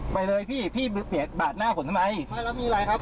ไปเลยพี่พี่เห็นเเบียดบาดหน้าผมทำไม